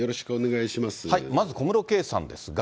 まず小室圭さんですが。